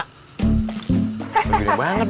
diasara perut lo mending so